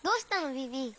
ビビ。